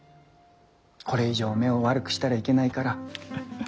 これ以上目を悪くしたらいけないから。